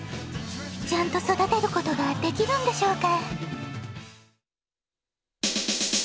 ちゃんとそだてることができるんでしょうか？